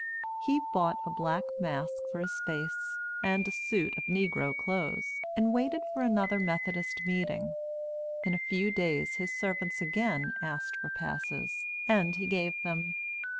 He bought a black mask for his face, and a suit of negro clothes, and waited for another Methodist meeting. In a few days his servants again asked for passes, and he gave them.